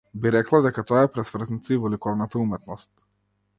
Би рекла дека тоа е пресвртница и во ликовната уметност.